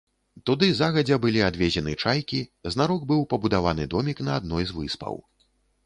Туды загадзя былі адвезены чайкі, знарок быў пабудаваны домік на адной з выспаў.